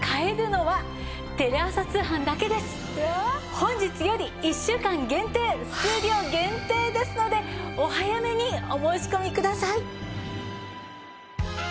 本日より１週間限定数量限定ですのでお早めにお申し込みください。